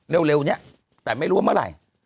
เร็วนี้แต่ไม่รู้ว่าเมื่อไหร่